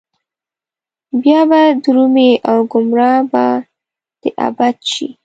بيا به درومي او ګمراه به د ابد شي